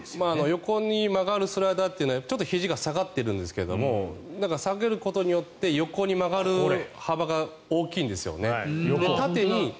横に曲がるスライダーというのはちょっとひじが下がってるんですけど下げることによって横に曲がる幅が大きいんですよね。